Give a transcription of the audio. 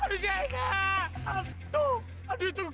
mari kita berada itu